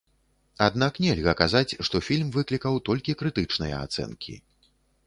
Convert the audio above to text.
Аднак нельга казаць, што фільм выклікаў толькі крытычныя ацэнкі.